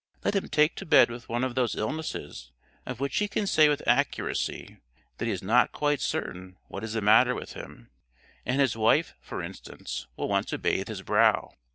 Let him take to bed with one of those illnesses of which he can say with accuracy that he is not quite certain what is the matter with him, and his wife, for instance, will want to bathe his brow.